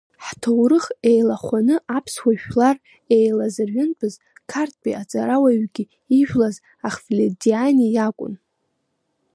Ҳҭоурых еилахәаны аԥсуа жәлар еилазырҩынтыз, Қарҭтәи аҵарауаҩгьы ижәлаз Ахвледиани акәын.